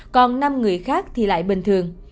còn năm người khác thì lại bình thường